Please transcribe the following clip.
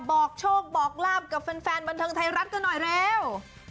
บอกโชคบอกลาบกับแฟนบันเทิงไทยรัฐกันหน่อยเร็ว